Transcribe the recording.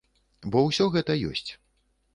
Бо ўсё гэта ёсць.